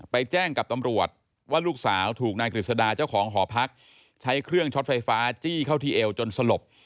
แจ้งกับตำรวจว่าลูกสาวถูกนายกฤษดาเจ้าของหอพักใช้เครื่องช็อตไฟฟ้าจี้เข้าที่เอวจนสลบ